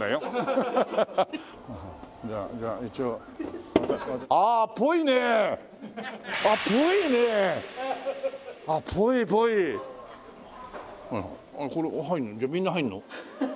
じゃあみんな入るの？